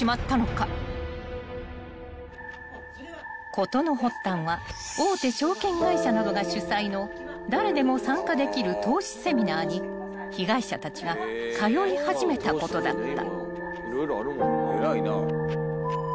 ［事の発端は大手証券会社などが主催の誰でも参加できる投資セミナーに被害者たちが通い始めたことだった］